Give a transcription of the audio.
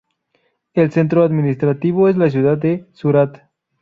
El centro administrativo es la ciudad de Surat.